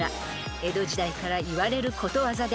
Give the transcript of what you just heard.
江戸時代から言われることわざで］